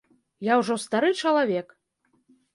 Я ўжо стары чалавек.